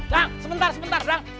dang sebentar sebentar dang